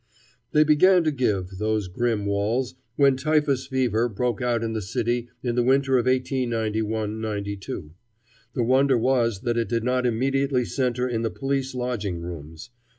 They began to give, those grim walls, when typhus fever broke out in the city in the winter of 1891 92. The wonder was that it did not immediately centre in the police lodging rooms.